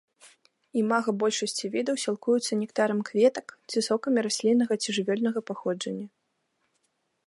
Імага большасці відаў сілкуюцца нектарам кветак ці сокамі расліннага ці жывёльнага паходжання.